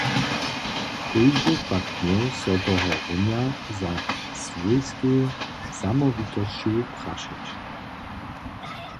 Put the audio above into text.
Kóždy pak měł so tohorunja za swójskej zamołwitosću prašeć.